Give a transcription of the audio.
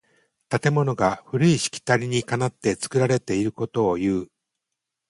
建物が古いしきたりにかなって作られていることをいう。